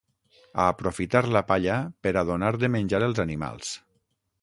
A aprofitar la palla per a donar de menjar els animals.